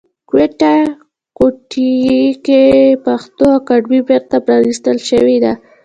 کوټې کې پښتو اکاډمۍ بیرته پرانیستل شوې ده